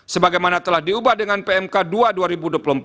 sebagaimana telah diubah dengan pmk dua dua ribu dua puluh empat